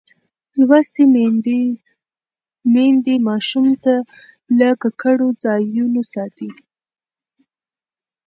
لوستې میندې ماشوم له ککړو ځایونو ساتي.